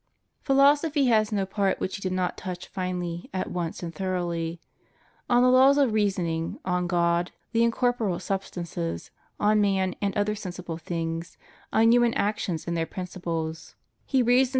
Pliilosophy has no part which he did not touch finely at once and thoroughly; on the laws of reasoning, on God and in^ corporeal substances, on man and other sensible things, on human actions and their principles, he reasoned in » Bull.